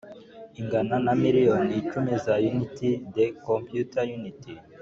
ingana na miliyoni icumi za Unit s de Compte Units